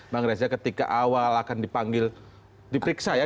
bang reza ketika awal akan dipanggil diperiksa ya